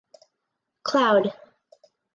Cloud.